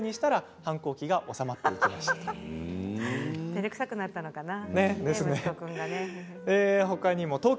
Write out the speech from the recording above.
てれくさくなったのかな？